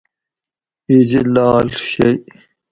اِج لاڷ شئ